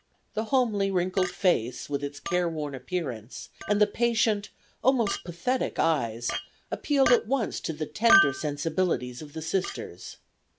The homely, wrinkled face, with its careworn appearance, and the patient, almost pathetic eyes appealed at once to the tender sensibilities of the Sisters.